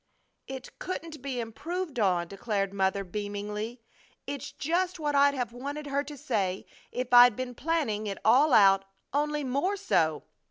"It couldn't be improved on," declared Mother, beamingly. "It's just what I'd have wanted her to say if I'd been planning it all out, only more so!"